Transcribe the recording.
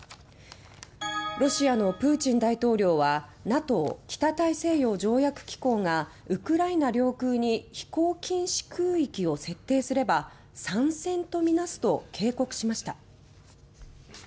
ロシアのプーチン大統領はＮＡＴＯ・北大西洋条約機構がウクライナ領空に飛行禁止空域を設定すれば「参戦とみなす」と警告しました。